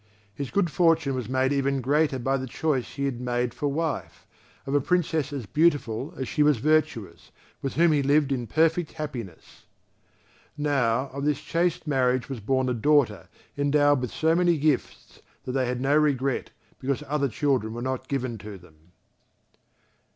His good fortune was made even greater by the choice he had made for wife of a Princess as beautiful as she was virtuous, with whom he lived in perfect happiness. Now, of this chaste marriage was born a daughter endowed with so many gifts that they had no regret because other children were not given to them.